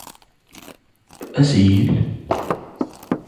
أسيل